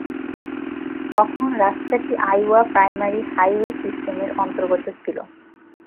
তখন রাস্তাটি Iowa primary highway সিস্টেমের অন্তর্গত ছিল।